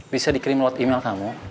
bisa dikirim lewat email kamu